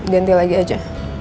ganti lagi aja